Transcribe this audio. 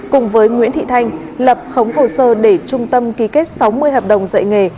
cùng với nguyễn thị thanh lập khống hồ sơ để trung tâm ký kết sáu mươi hợp đồng dạy nghề